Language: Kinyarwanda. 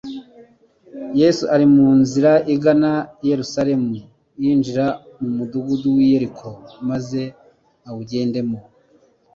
Yesu ari mu nzira igana i Yerusalemu "yinjira mu mudugudu w'i Yeriko maze awugendamo".